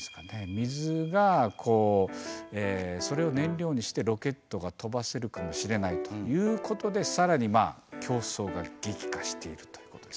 水がそれを燃料にしてロケットが飛ばせるかもしれないということでさらに競争が激化しているということですね。